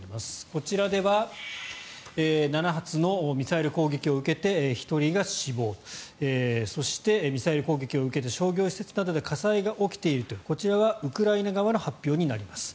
こちらでは７発のミサイル攻撃を受けて１人が死亡そして、ミサイル攻撃を受けて商業施設などで火災が起きているというこちらはウクライナ側の発表になります。